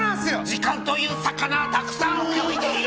時間という魚はたくさん泳いでいる！